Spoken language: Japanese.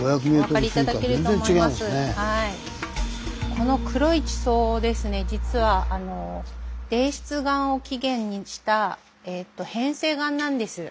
この黒い地層ですね実は泥質岩を起源にした変成岩なんです。